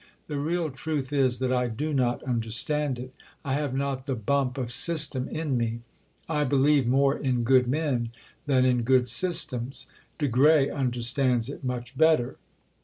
The real truth is that I do not understand it. I have not the bump of system in me. I believe more in good men than in good systems. De Grey understands it much better....